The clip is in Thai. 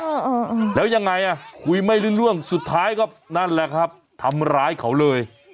เออแล้วยังไงอ่ะคุยไม่รู้เรื่องสุดท้ายก็นั่นแหละครับทำร้ายเขาเลย